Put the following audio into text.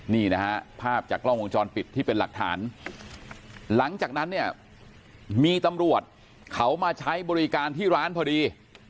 นี่นะฮะภาพจากกล้องวงจรปิดที่เป็นหลักฐานหลังจากนั้นเนี่ยมีตำรวจเขามาใช้บริการที่ร้านพอดี